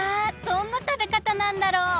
どんな食べかたなんだろう？